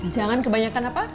jangan kebanyakan apa